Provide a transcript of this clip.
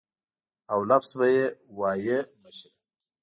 او لفظ به یې وایه مشره.